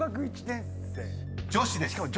［女子です。